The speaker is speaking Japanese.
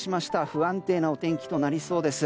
不安定のお天気になりそうです。